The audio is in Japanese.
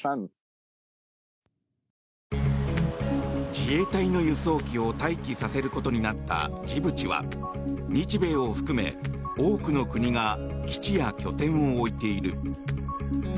自衛隊の輸送機を待機させることになったジブチは日米を含め多くの国が基地や拠点を置いている。